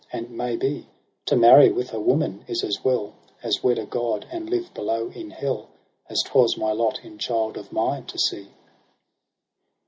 And maybe To marry with a woman is as well As wed a god and live below in Hell : As 'twas my lot in child of mine to see.'